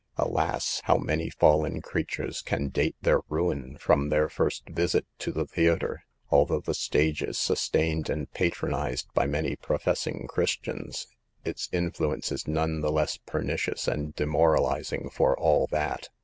Alas, how many fallen creatures can date their ruin from their first visit to the theater. Although the stage is sustained and patronized by many pro fessing Christians, its influence is none the less pernicious and demoralizing for all that.